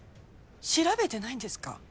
調べてないんですか？